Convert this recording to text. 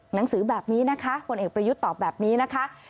หนังสือแบบนี้นะคะผลเอกประยุทธ์ตอบแบบนี้นะคะ